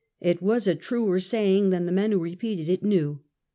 It was a truer saying than the men who repeated it knew.